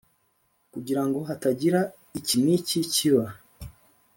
kugirango hatagira iki n’iki kiba